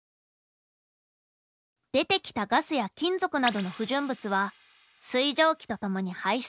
出てきたガスや金属などの不純物は水蒸気と共に排出。